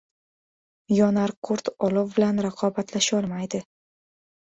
• Yonarqurt olov bilan raqobatlasholmaydi.